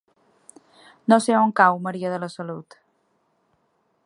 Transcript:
No sé on cau Maria de la Salut.